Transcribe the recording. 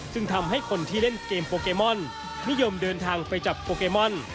ซึ่งทำให้คนที่เล่นเกมโปเกมอนนิยมเดินทางไปจับโปเกมอน